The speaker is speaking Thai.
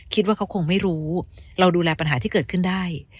คิดว่าเขาคงไม่รู้เราดูแลปัญหาที่เกิดขึ้นได้